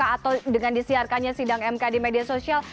atau dengan disiarkannya sidang mk di media sosial